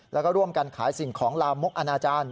แล้วก็ร่วมกันขายสิ่งของลามกอนาจารย์